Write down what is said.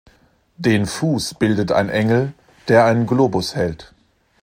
Den Fuß bildet ein Engel, der einen Globus hält.